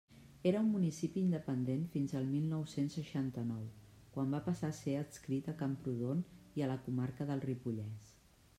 Era un municipi independent fins al mil nou-cents seixanta-nou quan va passar a ser adscrit a Camprodon i a la comarca del Ripollès.